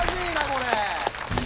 これ。